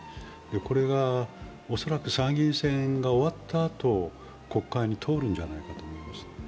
これが恐らく参議院選が終わったあと国会に通るんじゃないかと思います。